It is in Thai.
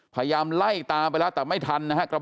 พยายามไล่ตามไปแล้วแต่ไม่ทันนะครับ